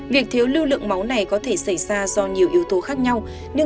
việc thiếu lưu lượng máu này có thể xảy ra do nhiều yếu tố khác nhau